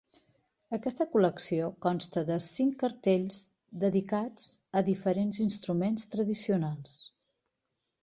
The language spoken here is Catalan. Aquesta col·lecció consta de cinc cartells dedicats a diferents instruments tradicionals.